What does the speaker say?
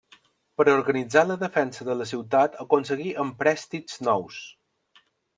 Per organitzar la defensa de la ciutat aconseguí emprèstits nous.